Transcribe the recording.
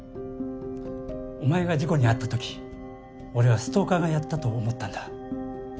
お前が事故に遭ったとき俺はストーカーがやったと思ったんだ。